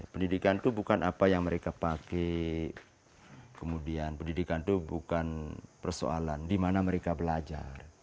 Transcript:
pendidikan itu bukan apa yang mereka pakai kemudian pendidikan itu bukan persoalan di mana mereka belajar